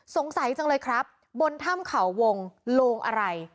สงสัยจังเลยครับบนถ้ำเขาวงโลงอะไร